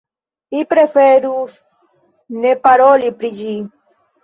Mi preferus ne paroli pri ĝi.